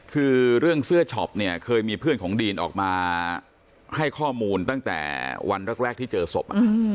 คือเรื่องเสื้อช็อปเนี่ยเคยมีเพื่อนของดีนออกมาให้ข้อมูลตั้งแต่วันแรกที่เจอศพ